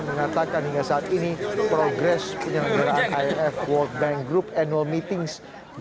mengatakan hingga saat ini progres penyelenggaraan imf world bank group annual meetings dua ribu dua puluh